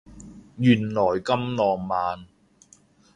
原來咁浪漫